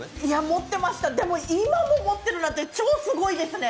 持ってました、でも今も持っているなんて超すごいですね。